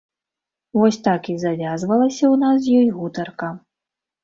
Вось так і завязвалася ў нас з ёй гутарка.